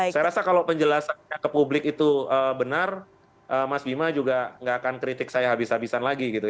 saya rasa kalau penjelasannya ke publik itu benar mas bima juga nggak akan kritik saya habis habisan lagi gitu ya